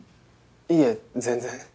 いえ全然。